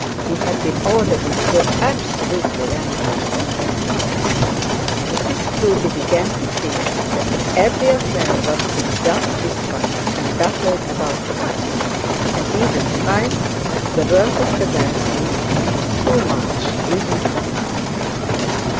He had been already so absolutely vanquished on that point. Mrs Proudie began to feel that if every affair was to be thus discussed and battled about twice and even thrice, the work of the diocese would be too much even for her.